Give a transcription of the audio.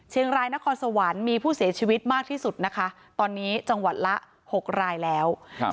รายนครสวรรค์มีผู้เสียชีวิตมากที่สุดนะคะตอนนี้จังหวัดละ๖รายแล้วครับ